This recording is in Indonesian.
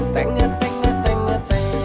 tengah tengah tengah tengah